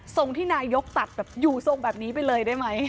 ทรงที่นายกรัฐมนตรีตัดอยู่ทรงแบบนี้ไปเลยได้ไหม